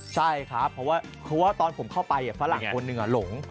ใช่ครับเพราะว่าตอนผมเข้าไปฝรั่งคนหนึ่งหลง